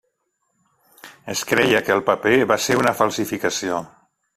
Es creia que el paper va ser una falsificació.